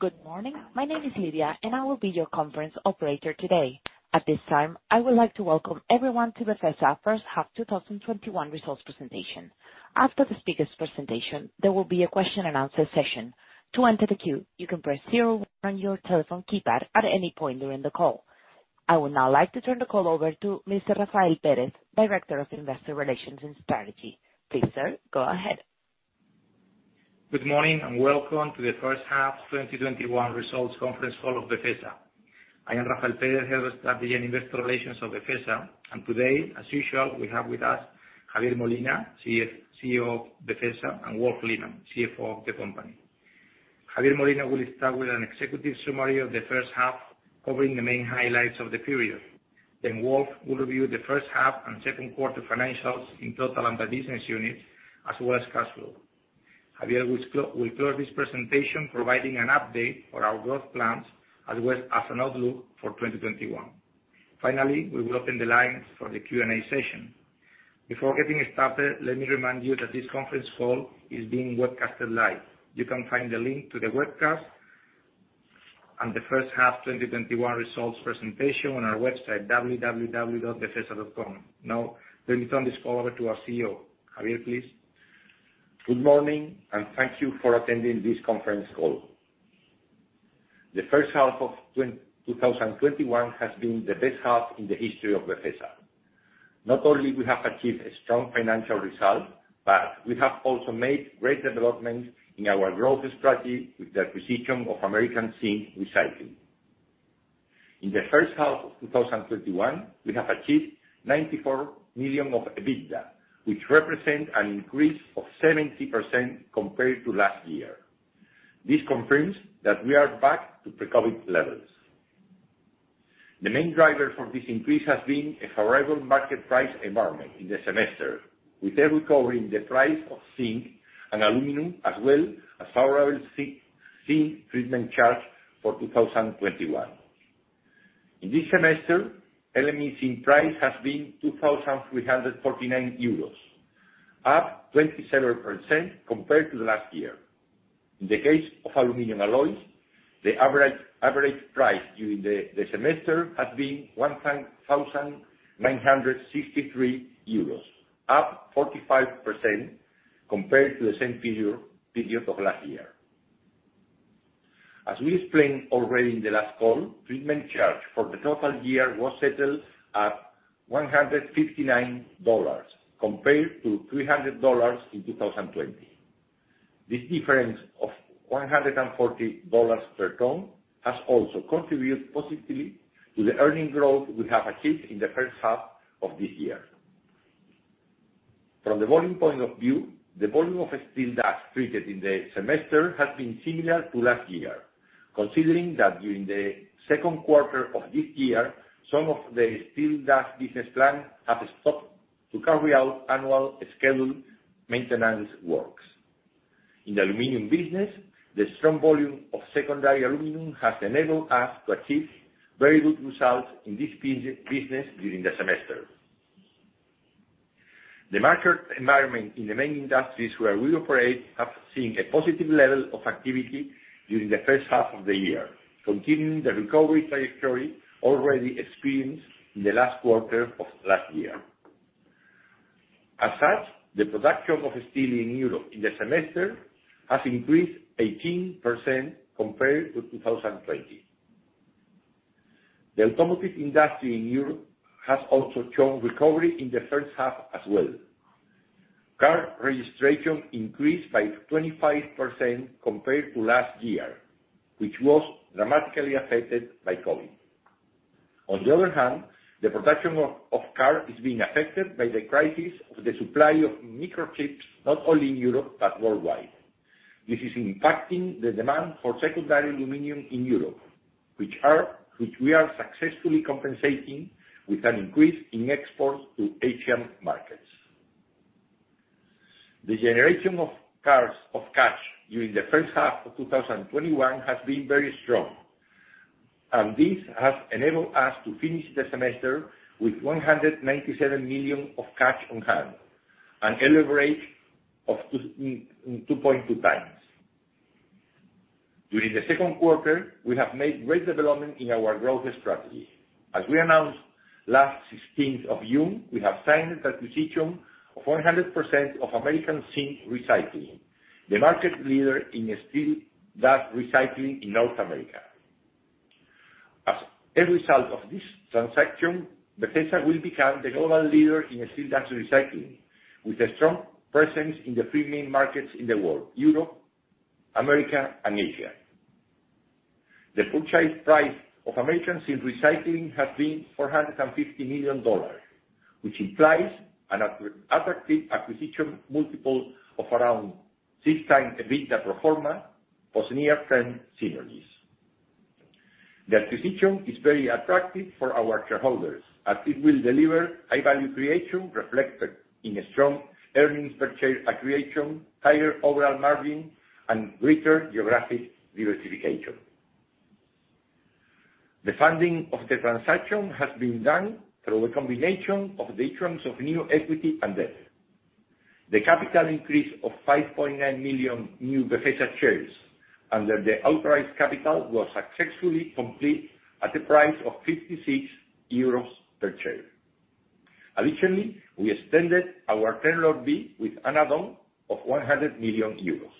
Good morning. My name is Lydia, and I will be your conference operator today. At this time, I would like to welcome everyone to Befesa H1 2021 results presentation. After the speakers' presentation, there will be a question and answer session. To enter the queue, you can press zero on your telephone keypad at any point during the call. I would now like to turn the call over to Mr. Rafael Pérez, Director of Investor Relations and Strategy. Please, sir, go ahead. Good morning, and welcome to the first half 2021 results conference call of Befesa. I am Rafael Pérez, Head of Strategy and Investor Relations of Befesa, and today, as usual, we have with us Javier Molina, CEO of Befesa, and Wolf Lehmann, CFO of the company. Javier Molina will start with an executive summary of the first half, covering the main highlights of the period. Wolf will review the first half and second quarter financials in total and by business unit, as well as cash flow. Javier will close this presentation providing an update on our growth plans, as well as an outlook for 2021. Finally, we will open the lines for the Q&A session. Before getting started, let me remind you that this conference call is being webcast live. You can find the link to the webcast and the H1 2021 results presentation on our website, www.befesa.com. Now, let me turn this call over to our CEO. Javier, please. Good morning, and thank you for attending this conference call. The H1 of 2021 has been the best half in the history of Befesa. Not only we have achieved a strong financial result, but we have also made great development in our growth strategy with the acquisition of American Zinc Recycling. In the H1 of 2021, we have achieved 94 million of EBITDA, which represent an increase of 70% compared to last year. This confirms that we are back to pre-COVID levels. The main driver for this increase has been a favorable market price environment in the semester, with a recovery in the price of zinc and aluminum, as well as favorable zinc treatment charge for 2021. In this semester, LME zinc price has been 2,349 euros, up 27% compared to last year. In the case of aluminum alloys, the average price during the semester has been 1,963 euros, up 45% compared to the same period of last year. As we explained already in the last call, treatment charge for the total year was settled at $159 compared to $300 in 2020. This difference of $140 per ton has also contributed positively to the earnings growth we have achieved in the first half of this year. From the volume point of view, the volume of steel dust treated in the semester has been similar to last year. Considering that during the second quarter of this year, some of the steel dust business plant have stopped to carry out annual scheduled maintenance works. In the aluminum business, the strong volume of secondary aluminum has enabled us to achieve very good results in this business during the semester. The market environment in the main industries where we operate have seen a positive level of activity during the first half of the year, continuing the recovery trajectory already experienced in the last quarter of last year. The production of steel in Europe in the semester has increased 18% compared to 2020. The automotive industry in Europe has also shown recovery in the first half as well. Car registration increased by 25% compared to last year, which was dramatically affected by COVID-19. The production of car is being affected by the crisis of the supply of microchips, not only in Europe, but worldwide. This is impacting the demand for secondary aluminum in Europe, which we are successfully compensating with an increase in exports to Asian markets. The generation of cash during the H1 of 2021 has been very strong, and this has enabled us to finish the semester with 197 million of cash on hand, a leverage of 2.2x. During the second quarter, we have made great development in our growth strategy. As we announced last 16th of June, we have signed the acquisition of 100% of American Zinc Recycling, the market leader in steel dust recycling in North America. As a result of this transaction, Befesa will become the global leader in steel dust recycling, with a strong presence in the three main markets in the world: Europe, America, and Asia. The purchase price of American Zinc Recycling has been $450 million, which implies an attractive acquisition multiple of around 6x EBITDA pro forma, plus near-term synergies. The acquisition is very attractive for our shareholders, as it will deliver high value creation reflected in strong earnings per share accretion, higher overall margin, and greater geographic diversification. The funding of the transaction has been done through a combination of the issuance of new equity and debt. The capital increase of 5.9 million new Befesa shares under the authorized capital was successfully complete at the price of 56 euros per share. Additionally, we extended our term loan B with an add-on of 100 million euros.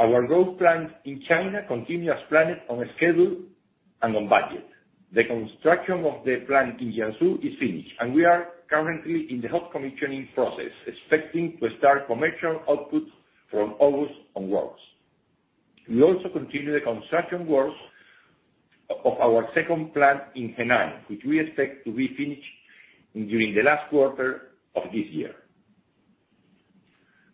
Our growth plans in China continue as planned, on schedule, and on budget. The construction of the plant in Jiangsu is finished, and we are currently in the hot commissioning process, expecting to start commercial output from August onwards. We also continue the construction works of our second plant in Henan, which we expect to be finished during the last quarter of this year.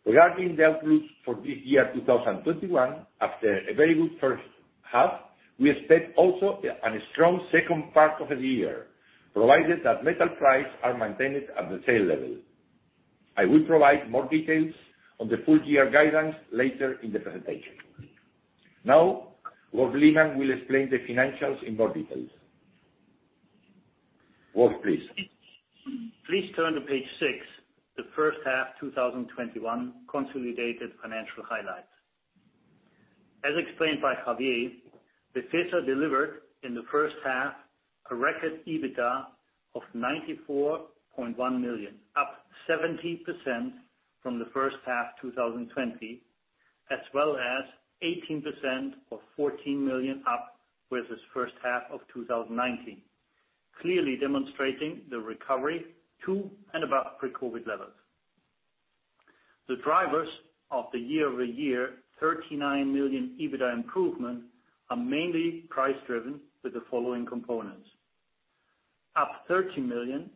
Regarding the outlook for this year, 2021, after a very good first half, we expect also a strong second part of the year, provided that metal prices are maintained at the same level. I will provide more details on the full year guidance later in the presentation. Wolf Lehmann will explain the financials in more details. Wolf, please. Please turn to page six, the H1 2021 consolidated financial highlights. As explained by Javier, Befesa delivered in the first half a record EBITDA of 94.1 million, up 70% from the H1 2020, as well as 18% or 14 million up versus H1 of 2019, clearly demonstrating the recovery to and above pre-COVID levels. The drivers of the year-over-year, 39 million EBITDA improvement are mainly price driven with the following components. Up 13 million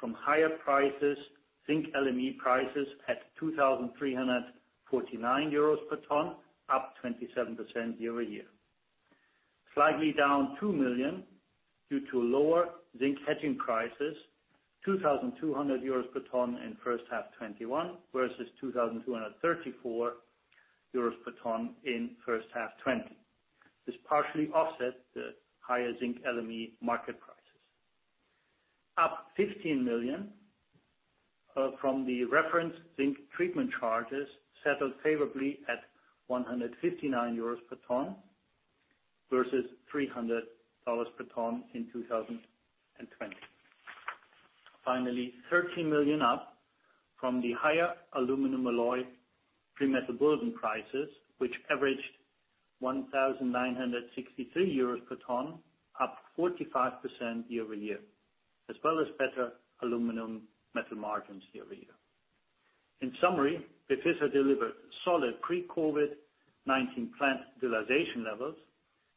from higher prices, zinc LME prices at 2,349 euros per ton, up 27% year-over-year. Slightly down 2 million due to lower zinc hedging prices, 2,200 euros per ton in first half 2021, versus 2,234 euros per ton in H1 2020. This partially offset the higher zinc LME market prices. Up 15 million, from the reference zinc treatment charges settled favorably at 159 euros per ton, versus 300 dollars per ton in 2020. Finally, 13 million up from the higher aluminum alloy pre-Metal burden prices, which averaged 1,963 euros per ton, up 45% year-over-year, as well as better aluminum metal margins year-over-year. In summary, Befesa delivered solid pre-COVID-19 plant utilization levels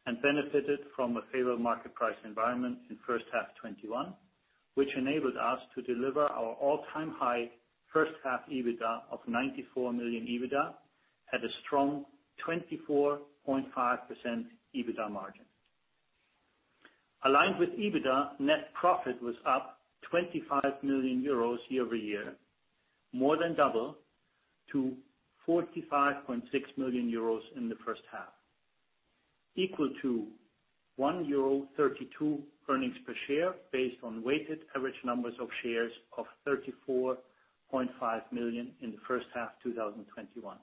and benefited from a favorable market price environment in H1 2021, which enabled us to deliver our all-time high first half EBITDA of 94 million EBITDA at a strong 24.5% EBITDA margin. Aligned with EBITDA, net profit was up 25 million euros year-over-year, more than double to 45.6 million euros in the first half, equal to 1.32 euro earnings per share based on weighted average numbers of shares of 34.5 million in the H1 2021.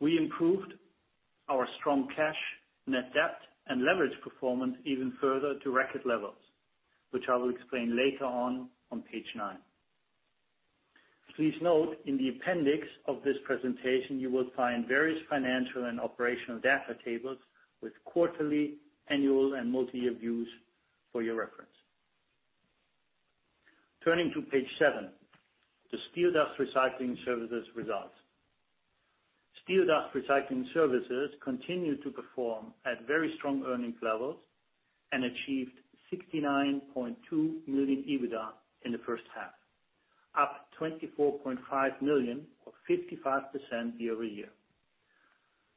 We improved our strong cash, net debt, and leverage performance even further to record levels, which I will explain later on page nine. Please note in the appendix of this presentation, you will find various financial and operational data tables with quarterly, annual, and multi-year views for your reference. Turning to page seven, the steel dust recycling services results. Steel dust recycling services continued to perform at very strong earning levels and achieved 69.2 million EBITDA in the first half, up 24.5 million or 55% year-over-year.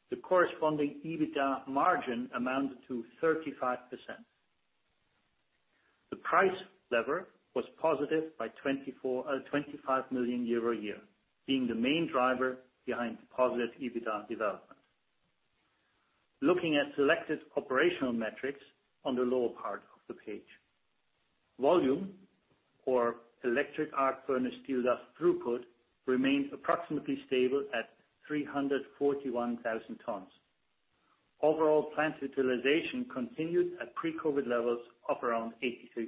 The corresponding EBITDA margin amounted to 35%. The price lever was positive by 25 million euro year-over-year, being the main driver behind positive EBITDA development. Looking at selected operational metrics on the lower part of the page. Volume or electric arc furnace steel dust throughput remained approximately stable at 341,000 tons. Overall plant utilization continued at pre-COVID-19 levels of around 83%.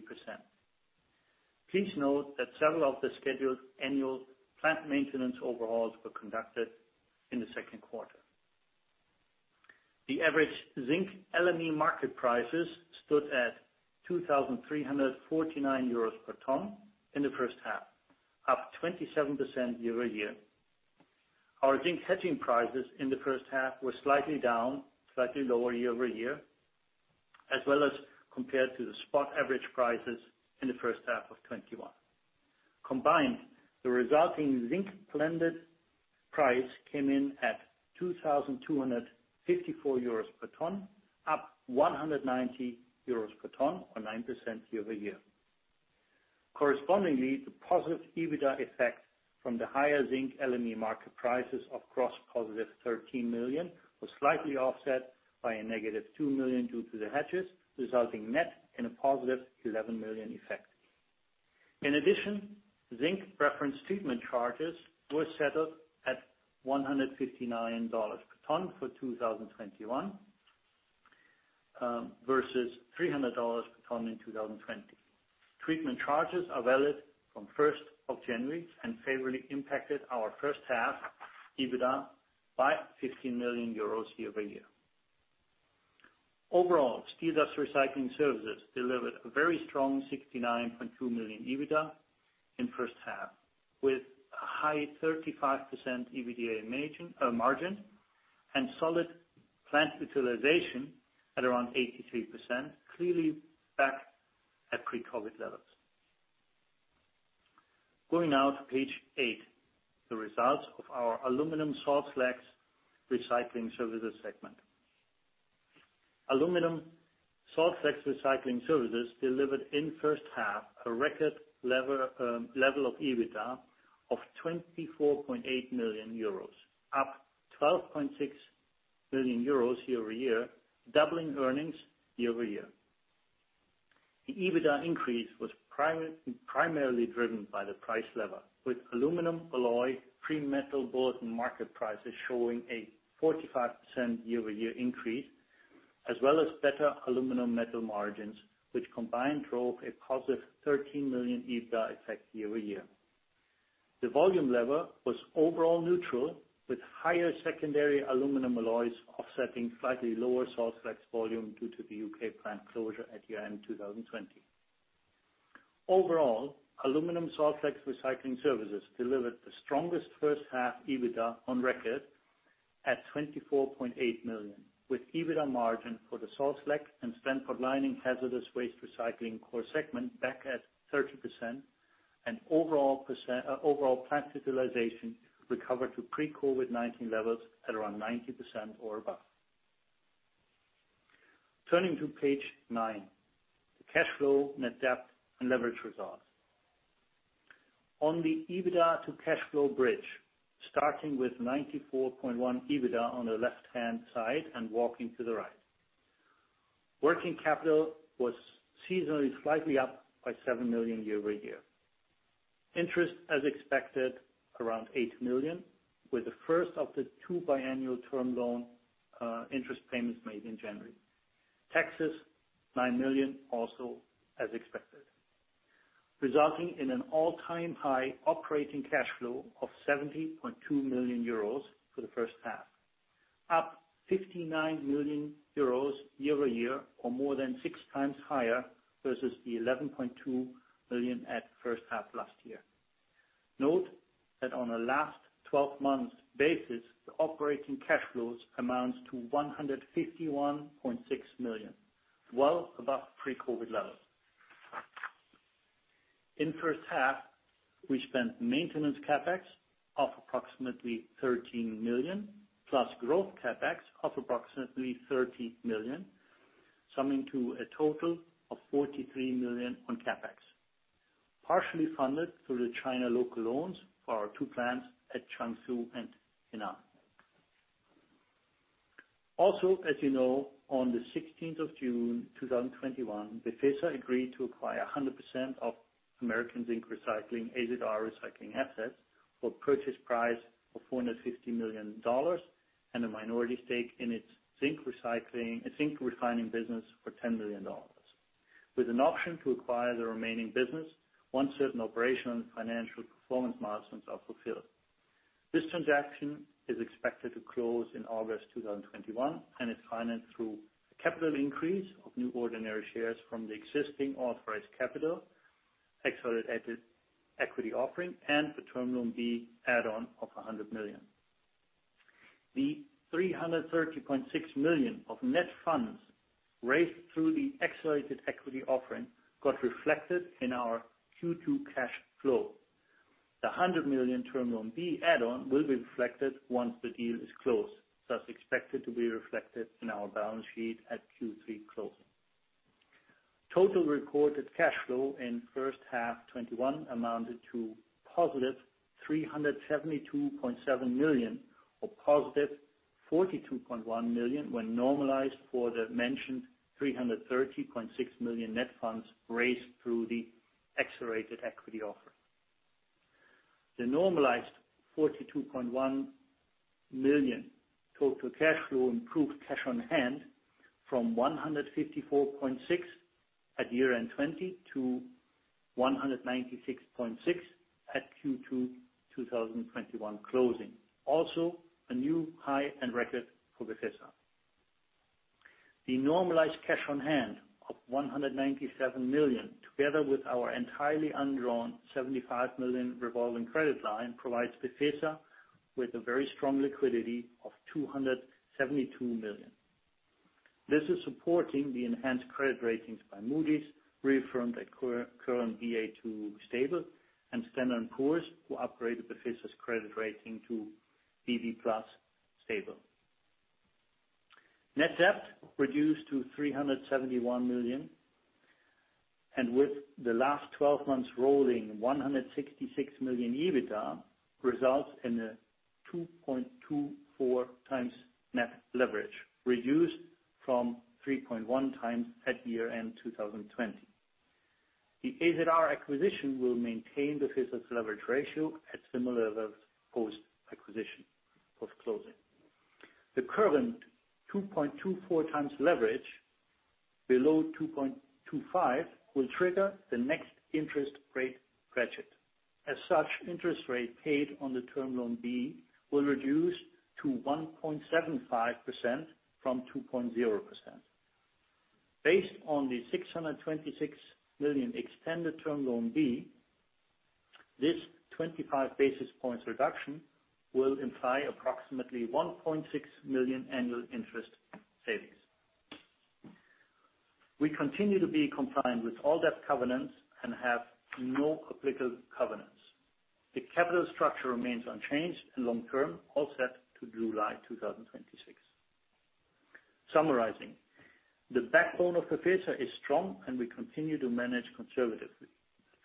Please note that several of the scheduled annual plant maintenance overhauls were conducted in the second quarter. The average zinc LME market prices stood at 2,349 euros per ton in the first half, up 27% year-over-year. Our zinc hedging prices in the first half were slightly down, slightly lower year-over-year, as well as compared to the spot average prices in the H1 of 2021. Combined, the resulting zinc blended price came in at 2,254 euros per ton, up 190 euros per ton or 9% year-over-year. Correspondingly, the positive EBITDA effect from the higher zinc LME market prices of gross positive 13 million was slightly offset by a negative 2 million due to the hedges, resulting net in a positive 11 million effect. In addition, zinc reference treatment charges were settled at $159 per ton for 2021, versus $300 per ton in 2020. Treatment charges are valid from 1st of January and favorably impacted our first half EBITDA by 15 million euros year-over-year. Overall, steel dust recycling services delivered a very strong 69.2 million EBITDA in first half, with a high 35% EBITDA margin and solid plant utilization at around 83%, clearly back at pre-COVID levels. Going now to page eight, the results of our aluminum salt slags recycling services segment. Aluminum salt slags recycling services delivered in first half, a record level of EBITDA of 24.8 million euros, up 12.6 million euros year-over-year, doubling earnings year-over-year. The EBITDA increase was primarily driven by the price level, with aluminum alloy pre-Metal Bulletin market prices showing a 45% year-over-year increase, as well as better aluminum metal margins, which combined drove a positive 13 million EBITDA effect year-over-year. The volume level was overall neutral, with higher secondary aluminum alloys offsetting slightly lower salt slags volume due to the U.K. plant closure at year end 2020. Overall, aluminum salt slags recycling services delivered the strongest first half EBITDA on record at 24.8 million, with EBITDA margin for the salt slag and spent pot lining hazardous waste recycling core segment back at 30%, and overall plant utilization recovered to pre-COVID-19 levels at around 90% or above. Turning to page nine, the cash flow, net debt, and leverage results. On the EBITDA to cash flow bridge, starting with 94.1 EBITDA on the left-hand side and working to the right. Working capital was seasonally slightly up by 7 million year-over-year. Interest, as expected, around 8 million, with the first of the two biannual term loan interest payments made in January. Taxes, 9 million, also as expected, resulting in an all-time high operating cash flow of 70.2 million euros for the first half, up 59 million euros year-over-year or more than 6x higher versus the 11.2 million at first half last year. Note that on a last 12-month basis, the operating cash flows amounts to 151.6 million, well above pre-COVID-19 levels. In the first half, we spent maintenance CapEx of approximately 13 million, plus growth CapEx of approximately 30 million, summing to a total of 43 million on CapEx, partially funded through the China local loans for our two plants at Jiangsu and Henan. Also, as you know, on the 16th of June 2021, Befesa agreed to acquire 100% of American Zinc Recycling, AZR Recycling assets for purchase price of $450 million and a minority stake in its zinc refining business for $10 million, with an option to acquire the remaining business once certain operational and financial performance milestones are fulfilled. This transaction is expected to close in August 2021 and is financed through a capital increase of new ordinary shares from the existing authorized capital, accelerated equity offering, and the term loan B add on of $100 million. The $330.6 million of net funds raised through the accelerated equity offering got reflected in our Q2 cash flow. The $100 million term loan B add on will be reflected once the deal is closed, thus expected to be reflected in our balance sheet at Q3 closing. Total recorded cash flow in H1 2021 amounted to positive 372.7 million or positive 42.1 million when normalized for the mentioned 330.6 million net funds raised through the accelerated equity offer. The normalized 42.1 million total cash flow improved cash on hand from 154.6 million at year-end 2020 to 196.6 million at Q2 2021 closing. Also, a new high and record for Befesa. The normalized cash on hand of 197 million, together with our entirely undrawn 75 million revolving credit line, provides Befesa with a very strong liquidity of 272 million. This is supporting the enhanced credit ratings by Moody's, reaffirmed at current Ba2 stable, and Standard & Poor's, who upgraded Befesa's credit rating to BB+ stable. Net debt reduced to 371 million, and with the last 12 months rolling, 166 million EBITDA results in a 2.24x net leverage, reduced from 3.1x at year-end 2020. The AZR acquisition will maintain Befesa's leverage ratio at similar levels post-acquisition, post-closing. The current 2.24x leverage below 2.25 will trigger the next interest rate ratchet. Interest rate paid on the term loan B will reduce to 1.75% from 2.0%. Based on the 626 million extended term loan B, this 25 basis points reduction will imply approximately 1.6 million annual interest savings. We continue to be compliant with all debt covenants and have no applicable covenants. The capital structure remains unchanged and long-term, all set to July 2026. Summarizing, the backbone of Befesa is strong and we continue to manage conservatively.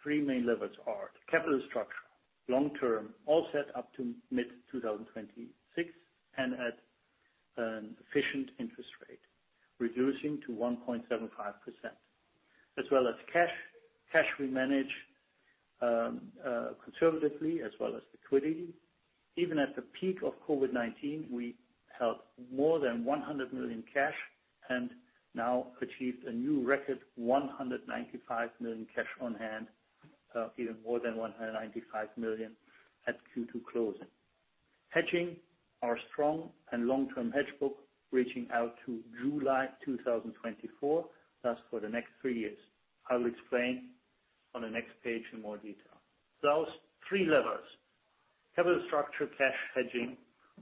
Three main levers are the capital structure, long-term, all set up to mid-2026 and at an efficient interest rate, reducing to 1.75%, as well as cash. Cash we manage conservatively as well as liquidity. Even at the peak of COVID-19, we held more than 100 million cash and now achieved a new record, 195 million cash on hand, even more than 195 million at Q2 closing. Hedging our strong and long-term hedge book, reaching out to July 2024. That's for the next three years. I will explain on the next page in more detail. Those three levers, capital structure, cash hedging,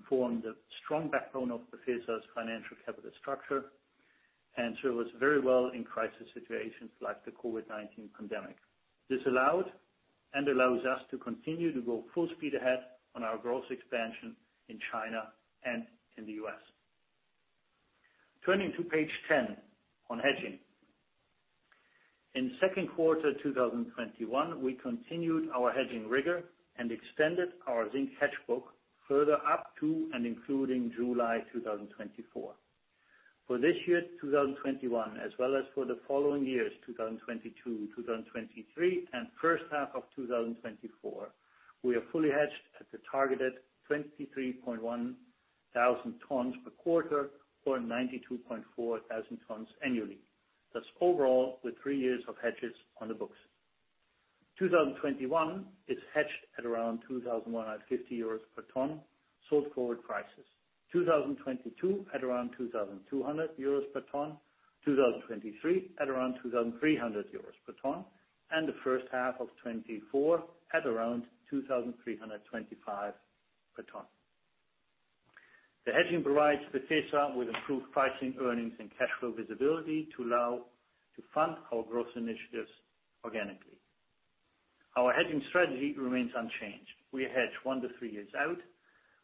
form the strong backbone of Befesa's financial capital structure and serve us very well in crisis situations like the COVID-19 pandemic. This allowed and allows us to continue to go full speed ahead on our growth expansion in China and in the U.S. Turning to page 10 on hedging. In second quarter 2021, we continued our hedging rigor and extended our zinc hedge book further up to and including July 2024. For this year, 2021, as well as for the following years, 2022-2023, and H1 of 2024, we are fully hedged at the targeted 23,100 tons per quarter or 92,400 tons annually. That's overall with three years of hedges on the books. 2021 is hedged at around 2,150 euros per ton, sold forward prices. 2022 at around 2,200 euros per ton, 2023 at around 2,300 euros per ton, and the H1 of 2024 at around 2,325 per ton. The hedging provides Befesa with improved pricing, earnings, and cash flow visibility to allow to fund our growth initiatives organically. Our hedging strategy remains unchanged. We hedge two to three years out.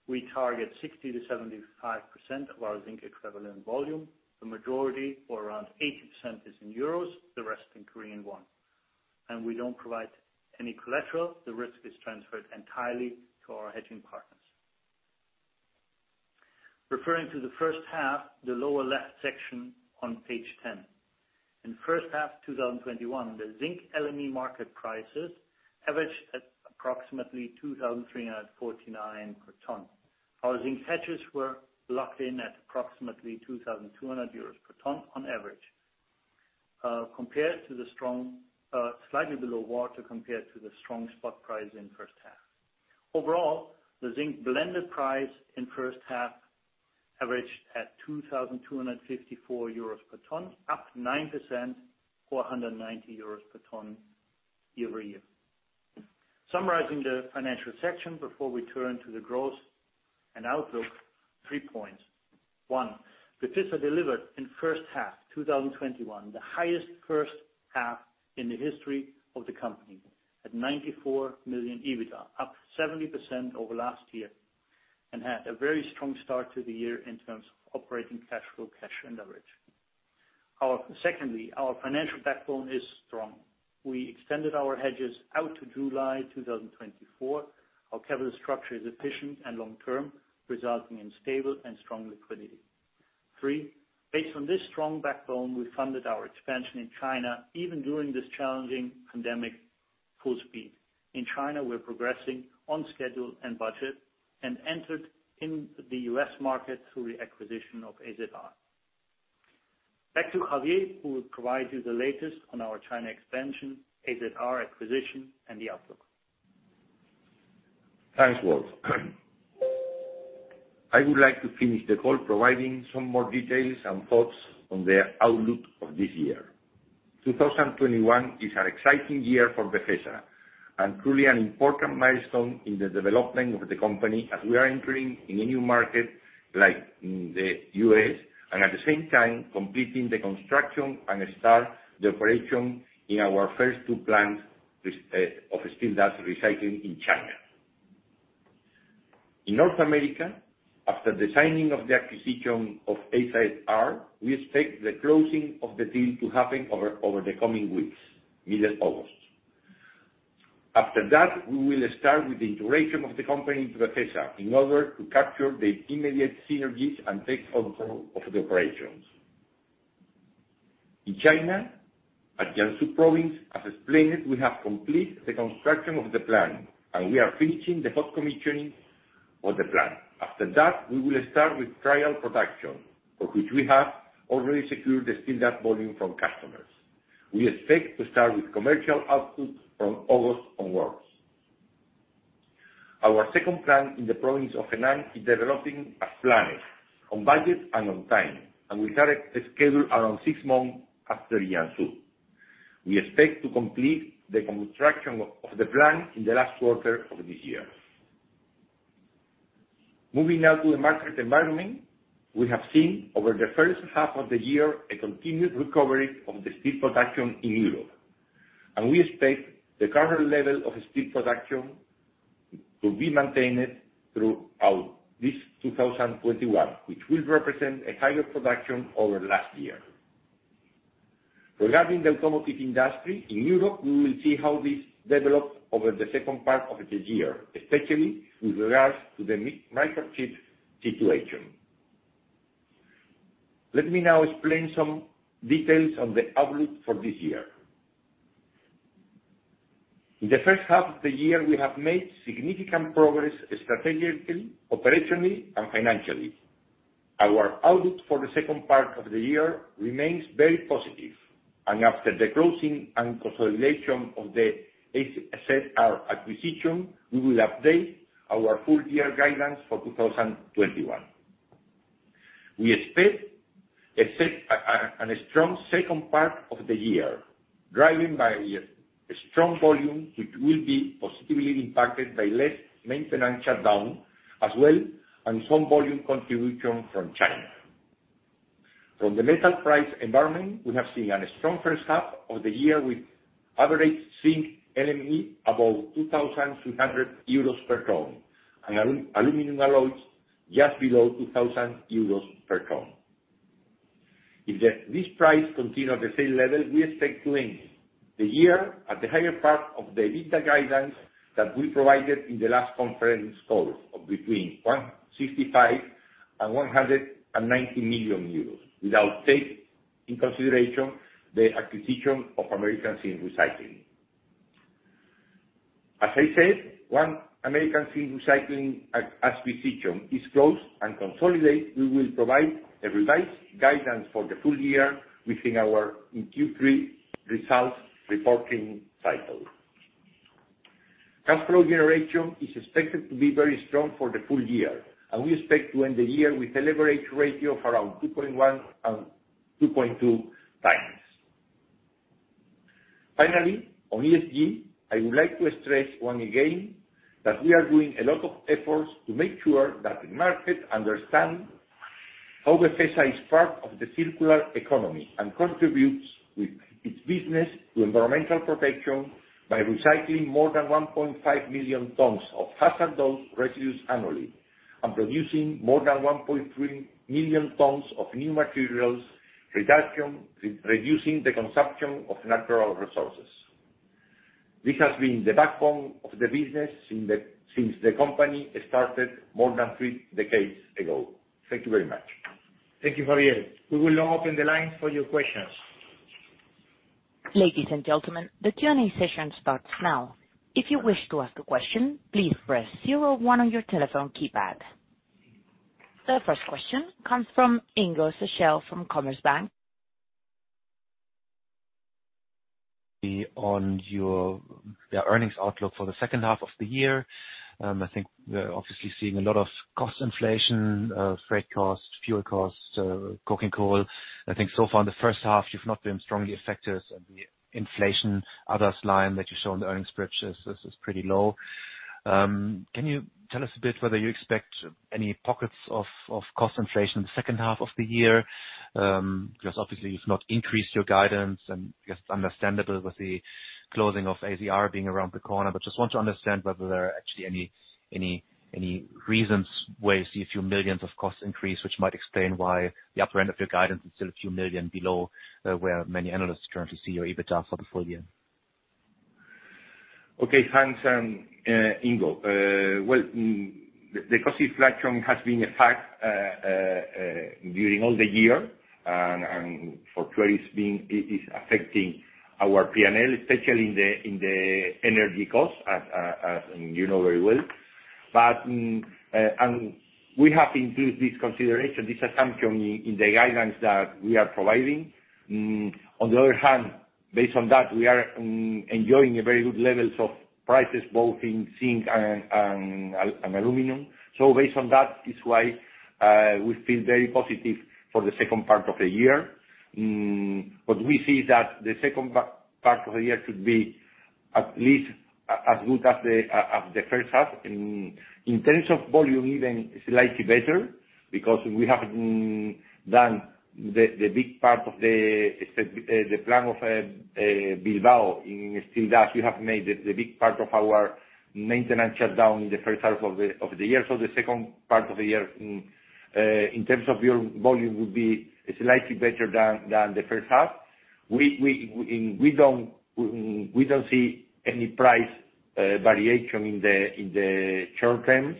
We target 60%-75% of our zinc equivalent volume. The majority, or around 80%, is in euros, the rest in Korean won. We don't provide any collateral. The risk is transferred entirely to our hedging partners. Referring to the first half, the lower left section on page 10. In the H1 of 2021, the zinc LME market prices averaged at approximately 2,349 per ton. Our zinc hedges were locked in at approximately 2,200 euros per ton on average, slightly below water compared to the strong spot price in the first half. Overall, the zinc blended price in the first half averaged at 2,254 euros per ton, up 9% or 190 euros per ton year-over-year. Summarizing the financial section before we turn to the growth and outlook, 3.1. Befesa delivered in the H1 of 2021, the highest first half in the history of the company, at 94 million EBITDA, up 70% over last year, and had a very strong start to the year in terms of operating cash flow, cash, and leverage. Secondly. Our financial backbone is strong. We extended our hedges out to July 2024. Our capital structure is efficient and long-term, resulting in stable and strong liquidity. Three, based on this strong backbone, we funded our expansion in China, even during this challenging pandemic, full speed. In China, we're progressing on schedule and budget and entered in the U.S. market through the acquisition of AZR. Back to Javier, who will provide you the latest on our China expansion, AZR acquisition, and the outlook. Thanks, Wolf. I would like to finish the call providing some more details and thoughts on the outlook of this year. 2021 is an exciting year for Befesa and truly an important milestone in the development of the company as we are entering in a new market like the U.S., and at the same time completing the construction and start the operation in our first two plants of steel dust recycling in China. In North America, after the signing of the acquisition of AZR, we expect the closing of the deal to happen over the coming weeks, middle August. After that, we will start with the integration of the company into Befesa in order to capture the immediate synergies and take control of the operations. In China, at Jiangsu province, as explained, we have completed the construction of the plant, and we are finishing the hot commissioning of the plant. After that, we will start with trial production, for which we have already secured the steel that volume from customers. We expect to start with commercial output from August onwards. Our second plant in the province of Henan is developing as planned, on budget and on time, we started a schedule around six months after Jiangsu. We expect to complete the construction of the plant in the last quarter of this year. Moving now to the market environment. We have seen over the first half of the year a continued recovery of the steel production in Europe. We expect the current level of steel production to be maintained throughout this 2021, which will represent a higher production over last year. Regarding the automotive industry, in Europe, we will see how this develops over the second part of the year, especially with regards to the microchip situation. Let me now explain some details on the outlook for this year. In the first half of the year, we have made significant progress strategically, operationally, and financially. Our outlook for the second part of the year remains very positive, and after the closing and consolidation of the AZR acquisition, we will update our full year guidance for 2021. We expect a strong second part of the year, driven by strong volume, which will be positively impacted by less maintenance shutdown as well, and some volume contribution from China. From the metal price environment, we have seen a strong first half of the year with average zinc LME above 2,300 euros per ton, and aluminum alloys just below 2,000 euros per ton. If this price continue at the same level, we expect to end the year at the higher part of the EBITDA guidance that we provided in the last conference call, of between 165 million and 190 million euros, without take in consideration the acquisition of American Zinc Recycling. As I said, once American Zinc Recycling acquisition is closed and consolidated, we will provide a revised guidance for the full year within our Q3 results reporting cycle. Cash flow generation is expected to be very strong for the full year. We expect to end the year with leverage ratio of around 2.1x and 2.2x. On ESG, I would like to stress once again that we are doing a lot of efforts to make sure that the market understand how Befesa is part of the circular economy and contributes with its business to environmental protection by recycling more than 1.5 million tons of hazardous residues annually and producing more than 1.3 million tons of new materials, reducing the consumption of natural resources. This has been the backbone of the business since the company started more than three decades ago. Thank you very much. Thank you, Javier. We will now open the line for your questions. Ladies and gentlemen, the Q&A session starts now. If you wish to ask a question, please press zero one on your telephone keypad. The first question comes from Ingo Schachel from Commerzbank. Be on your earnings outlook for the second half of the year. I think we're obviously seeing a lot of cost inflation, freight cost, fuel cost, coking coal. I think so far in the first half, you've not been strongly affected. The inflation others line that you show on the earnings bridge is pretty low. Can you tell us a bit whether you expect any pockets of cost inflation in the second half of the year? Obviously you've not increased your guidance and I guess understandable with the closing of AZR being around the corner, but just want to understand whether there are actually any reasons why you see a few millions of cost increase, which might explain why the upper end of your guidance is still a few million below, where many analysts currently see your EBITDA for the full year. Okay. Thanks, Ingo. Well, the cost inflation has been a fact during all the year and for trades being, it is affecting our P&L, especially in the energy cost, as you know very well. We have included this consideration, this assumption in the guidance that we are providing. On the other hand, based on that, we are enjoying very good levels of prices both in zinc and aluminum. Based on that is why we feel very positive for the second part of the year. We see that the second part of the year could be at least as good as the first half. In terms of volume, even slightly better. Because we have done the big part of the plan of Bilbao in steel dust. We have made the big part of our maintenance shutdown in the first half of the year. The second part of the year, in terms of volume, will be slightly better than the first half. We don't see any price variation in the short term.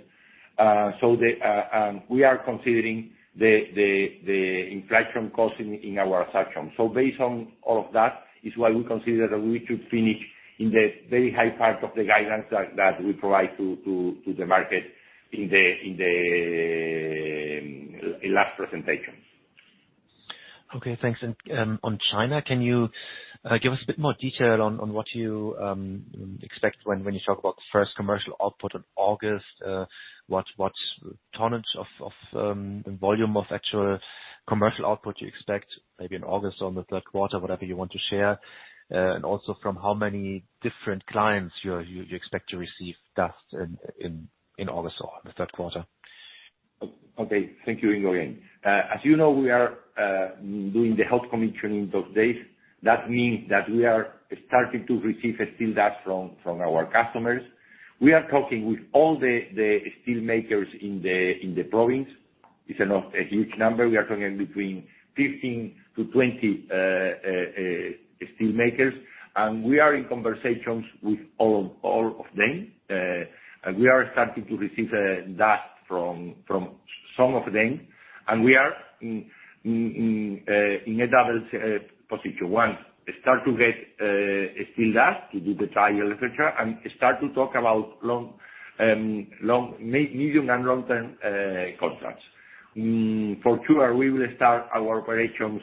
We are considering the inflation cost in our section. Based on all of that is why we consider that we could finish in the very high part of the guidance that we provide to the market in the last presentation. Okay, thanks. On China, can you give us a bit more detail on what you expect when you talk about first commercial output on August? What tonnage of volume of actual commercial output you expect maybe in August or the third quarter, whatever you want to share? Also from how many different clients you expect to receive dust in August or the third quarter? Okay. Thank you, Ingo. As you know, we are doing the hot commissioning those days. That means that we are starting to receive steel dust from our customers. We are talking with all the steel makers in the province. It's not a huge number. We are talking between 15-20 steel makers, and we are in conversations with all of them. We are starting to receive dust from some of them. We are in a double position. One, start to get steel dust to do the trial production and start to talk about medium and long-term contracts. For sure, we will start our commercial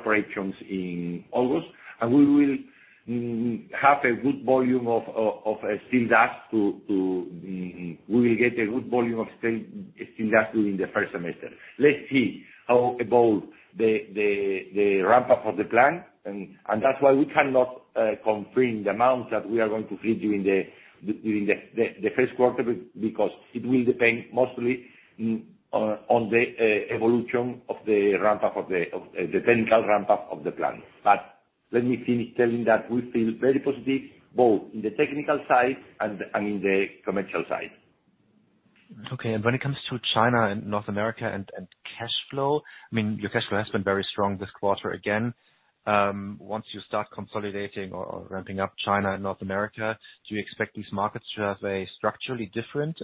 operations in August, and we will get a good volume of steel dust during the first semester. Let's see how it evolves, the ramp up of the plan. That's why we cannot confirm the amounts that we are going to feed during the first quarter, because it will depend mostly on the evolution of the technical ramp up of the plan. Let me finish telling that we feel very positive, both in the technical side and in the commercial side. Okay. When it comes to China and North America and cash flow, your cash flow has been very strong this quarter again. Once you start consolidating or ramping up China and North America, do you expect these markets to have a structurally different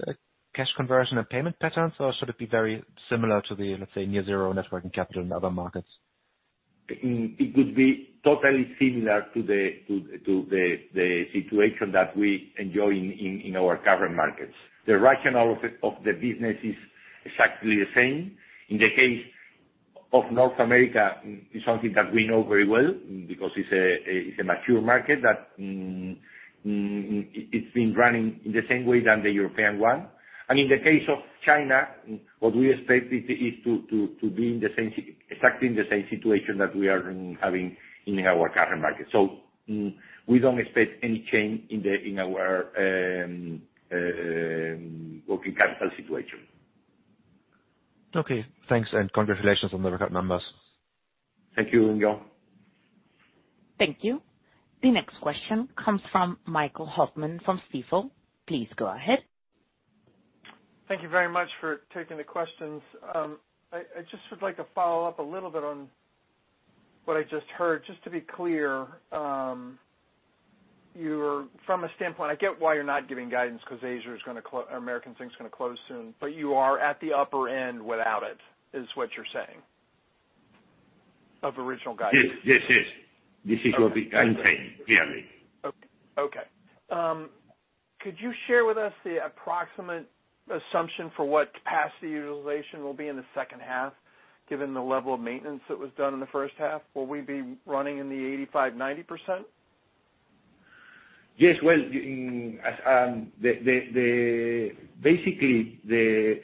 cash conversion and payment patterns, or should it be very similar to the, let's say, near zero networking capital in other markets? It would be totally similar to the situation that we enjoy in our current markets. The rationale of the business is exactly the same. In the case of North America, it's something that we know very well because it's a mature market that it's been running in the same way than the European one. In the case of China, what we expect is to be exactly in the same situation that we are having in our current market. We don't expect any change in our working capital situation. Okay, thanks. Congratulations on the record numbers. Thank you, Ingo. Thank you. The next question comes from Michael Hoffman from Stifel. Please go ahead. Thank you very much for taking the questions. I just would like to follow up a little bit on what I just heard. Just to be clear, from a standpoint, I get why you're not giving guidance because American Zinc's going to close soon, but you are at the upper end without it, is what you're saying of original guidance? Yes. This is what I'm saying, clearly. Okay. Could you share with us the approximate assumption for what capacity utilization will be in the second half, given the level of maintenance that was done in the first half? Will we be running in the 85%-90%? Yes. Well, basically, the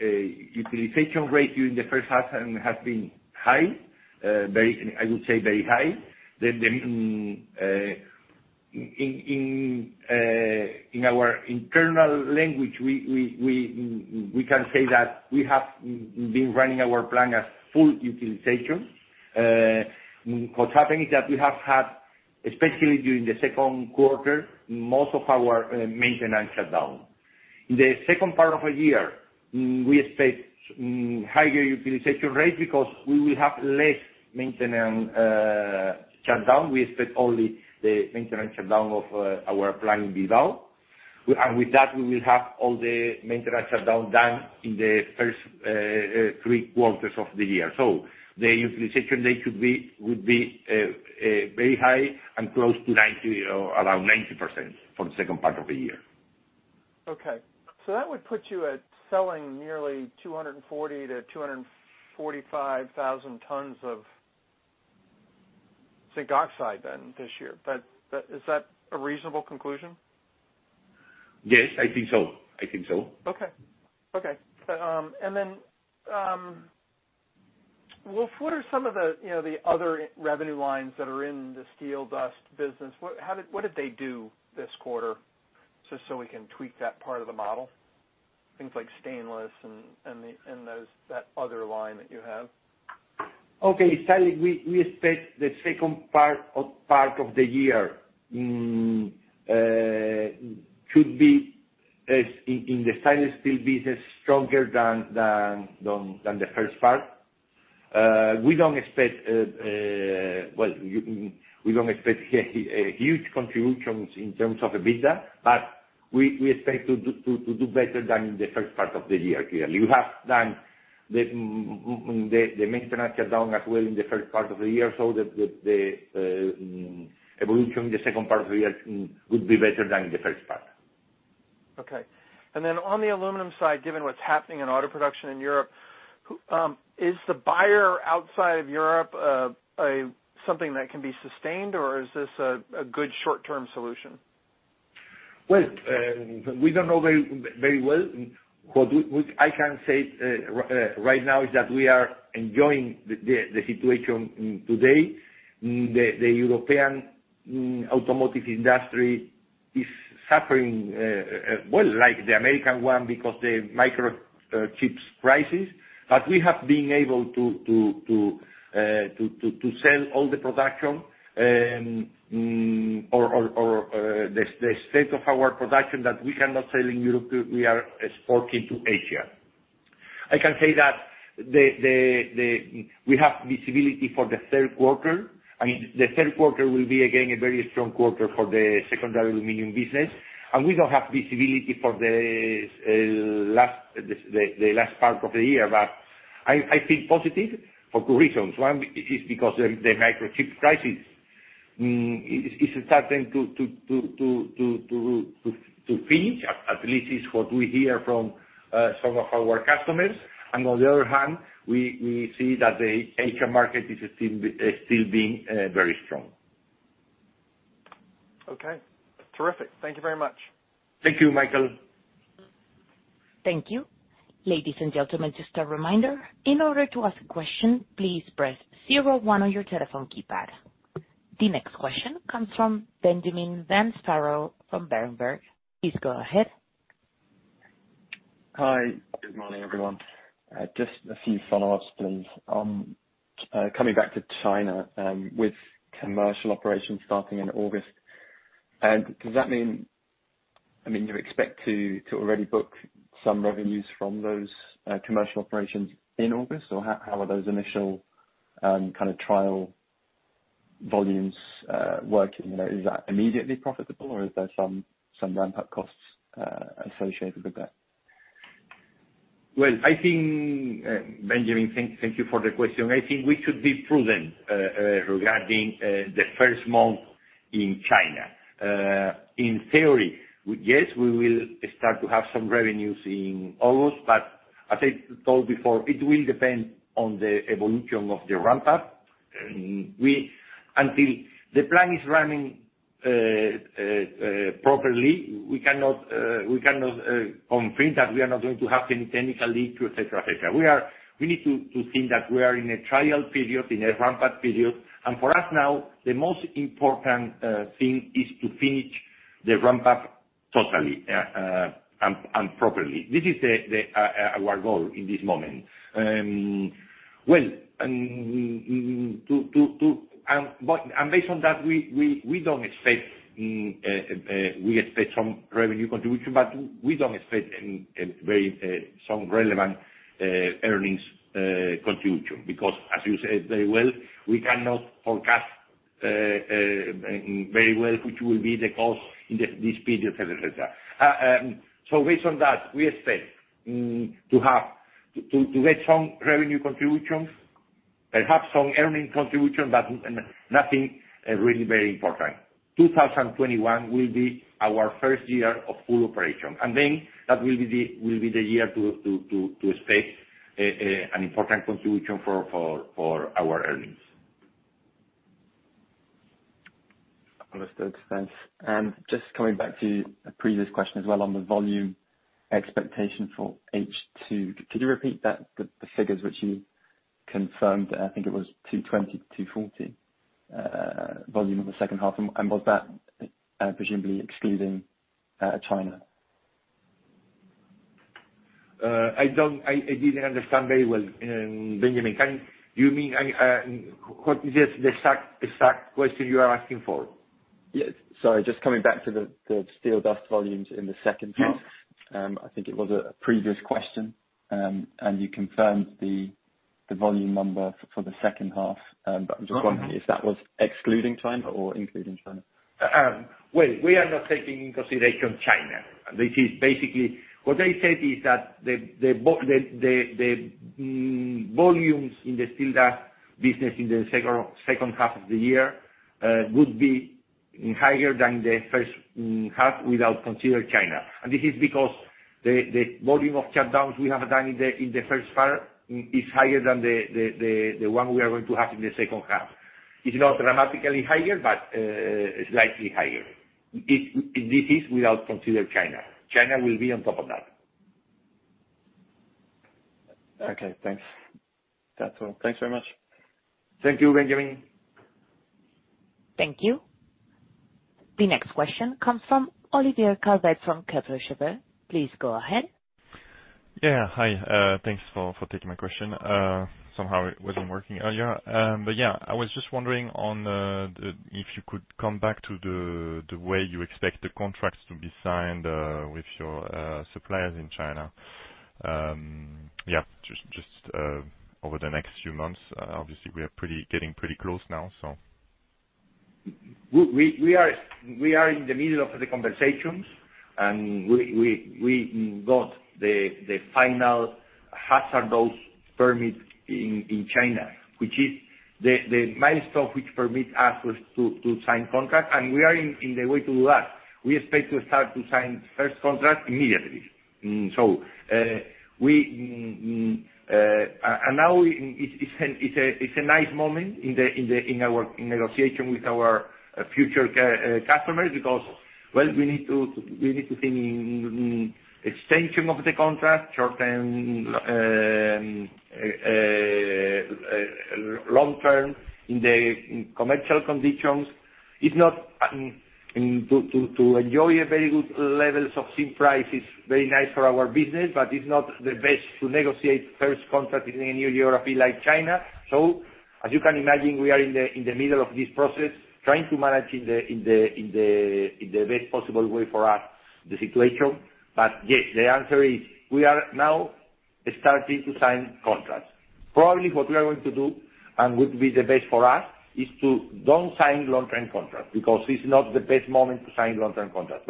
utilization rate during the first half has been high. I would say very high. In our internal language, we can say that we have been running our plan at full utilization. What happened is that we have had, especially during the second quarter, most of our maintenance shutdown. In the second part of the year, we expect higher utilization rates because we will have less maintenance shutdown. We expect only the maintenance shutdown of our plant in Bilbao. With that, we will have all the maintenance shutdown done in the first three quarters of the year. The utilization rate would be very high and close to around 90% for the second part of the year. That would put you at selling nearly 240- 245,000 tons of zinc oxide then this year. Is that a reasonable conclusion? Yes, I think so. Okay. Then, Wolf, what are some of the other revenue lines that are in the steel dust business? What did they do this quarter, just so we can tweak that part of the model? Things like stainless and that other line that you have. Okay. Stainless, we expect the second part of the year should be, in the stainless steel business, stronger than the first part. We don't expect huge contributions in terms of EBITDA, but we expect to do better than in the first part of the year, clearly. You have done the maintenance shutdown as well in the first part of the year. The evolution in the second part of the year would be better than in the first part. Okay. On the aluminum side, given what's happening in auto production in Europe, is the buyer outside of Europe something that can be sustained, or is this a good short-term solution? Well, we don't know very well. What I can say right now is that we are enjoying the situation today. The European automotive industry is suffering, well, like the American one because the microchips prices. We have been able to sell all the production, or the state of our production that we cannot sell in Europe, we are exporting to Asia. I can say that we have visibility for the third quarter. I mean, the third quarter will be again a very strong quarter for the secondary aluminum business. We don't have visibility for the last part of the year. I feel positive for two reasons. One is because the microchip crisis is starting to finish, at least it's what we hear from some of our customers. On the other hand, we see that the Asia market is still being very strong. Okay. Terrific. Thank you very much. Thank you, Michael. Thank you. Ladies and gentlemen, just a reminder. In order to ask a question, please press zero one on your telephone keypad. The next question comes from Benjamin Pfannes Varrow from Berenberg. Please go ahead. Hi. Good morning, everyone. Just a few follow-ups, please. Coming back to China, with commercial operations starting in August, does that mean you expect to already book some revenues from those commercial operations in August? How are those initial trial volumes working? Is that immediately profitable or is there some ramp-up costs associated with that? Benjamin, thank you for the question. I think we should be prudent regarding the first month in China. In theory, yes, we will start to have some revenues in August, but as I told before, it will depend on the evolution of the ramp-up. Until the plan is running properly, we cannot confirm that we are not going to have any technical leak, et cetera. We need to think that we are in a trial period, in a ramp-up period. For us now, the most important thing is to finish the ramp-up totally and properly. This is our goal in this moment. Based on that, we expect some revenue contribution, but we don't expect some relevant earnings contribution, because as you said very well, we cannot forecast very well which will be the cost in this period, et cetera. Based on that, we expect to get some revenue contributions, perhaps some earnings contributions, but nothing really very important. 2021 will be our first year of full operation, that will be the year to expect an important contribution for our earnings. Understood. Thanks. Just coming back to a previous question as well on the volume expectation for H2, could you repeat the figures which you confirmed? I think it was 220-240 volume in the second half. Was that presumably excluding China? I didn't understand very well, Benjamin. What is the exact question you are asking for? Yeah. Sorry, just coming back to the steel dust volumes in the second half. I think it was a previous questions, and you confirmed the volume number for the second half. I'm just wondering if that was excluding China or including China? Well, we are not taking in consideration China. What I said is that the volumes in the steel dust business in the second half of the year would be higher than the first half without considering China. This is because the volume of shutdowns we have done in the first part is higher than the one we are going to have in the second half. It's not dramatically higher, but slightly higher. This is without considering China. China will be on top of that. Okay, thanks. That's all. Thanks very much. Thank you, Benjamin. Thank you. The next question comes from Olivier Calvet from Cheuvreux. Please go ahead. Yeah. Hi. Thanks for taking my question. Somehow it wasn't working earlier. Yeah, I was just wondering if you could come back to the way you expect the contracts to be signed with your suppliers in China. Yeah, just over the next few months, obviously, we are getting pretty close now. We are in the middle of the conversations, and we got the final hazardous waste permit in China. Which is the milestone which permits us to sign contracts, and we are on the way to do that. We expect to start to sign the first contract immediately. Now it's a nice moment in negotiation with our future customers, because, well, we need to think extension of the contract, short-term, long-term, in the commercial conditions. To enjoy a very good level of steel price is very nice for our business, but it's not the best to negotiate first contract in a new geography like China. As you can imagine, we are in the middle of this process, trying to manage in the best possible way for us, the situation. Yes, the answer is, we are now starting to sign contracts. Probably what we are going to do, and would be the best for us, is to not sign long-term contracts, because it's not the best moment to sign long-term contracts.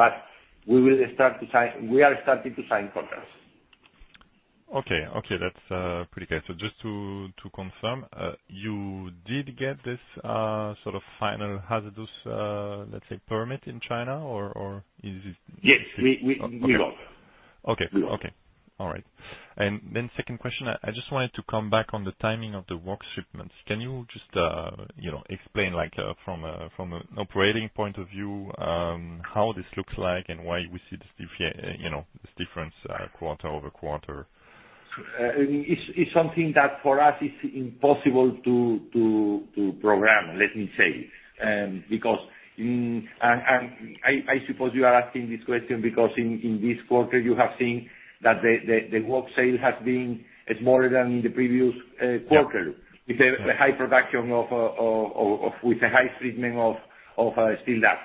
We are starting to sign contracts. Okay. That's pretty clear. Just to confirm, you did get this sort of final hazardous, let's say, permit in China? Yes, we got. Okay. All right. Second question, I just wanted to come back on the timing of the works shipments. Can you just explain from an operating point of view, how this looks like and why we see this difference quarter-over-quarter? It's something that for us is impossible to program, let me say. I suppose you are asking this question because in this quarter, you have seen that the Waelz oxide sale has been smaller than the previous quarter. Yeah. With a high treatment of steel dust.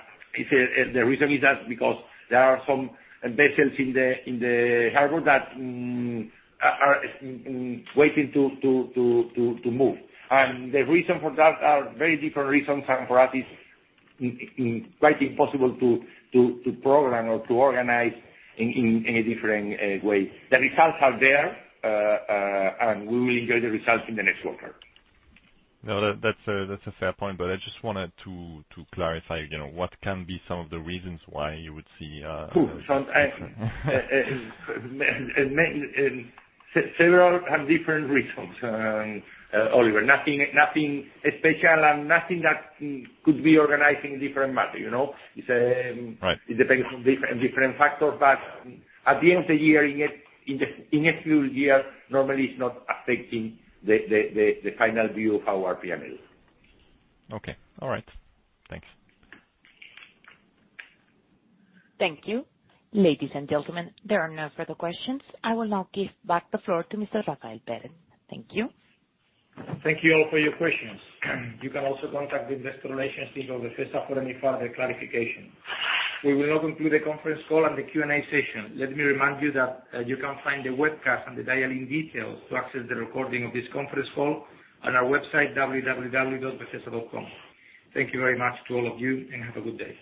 The reason is that because there are some vessels in the harbor that are waiting to move. The reason for that are very different reasons, and for us, it's quite impossible to program or to organize in a different way. The results are there, and we will enjoy the results in the next quarter. No, that's a fair point. I just wanted to clarify what can be some of the reasons why you would see. Several and different reasons, Olivier. Nothing special and nothing that could be organized in different matter. Right. It depends on different factors, but at the end of the year, in a few years, normally it's not affecting the final view of our P&L. Okay. All right. Thanks. Thank you. Ladies and gentlemen, there are no further questions. I will now give back the floor to Mr. Rafael Pérez. Thank you. Thank you all for your questions. You can also contact the investor relations team of Befesa for any further clarification. We will now conclude the conference call and the Q&A session. Let me remind you that you can find the webcast and the dial-in details to access the recording of this conference call on our website, www.befesa.com. Thank you very much to all of you, and have a good day.